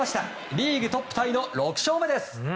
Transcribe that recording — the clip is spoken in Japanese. リーグトップタイの６勝目です！